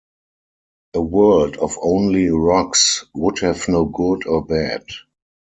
A world of only rocks would have no good or bad.